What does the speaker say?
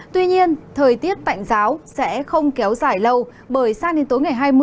tuy nhiên thời tiết tạnh giáo sẽ không kéo dài lâu bởi sang đến tối ngày hai mươi